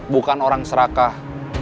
bukan orang serakah